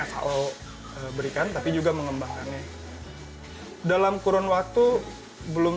fao berikan tapi juga mengembangkannya dalam kurun waktu belum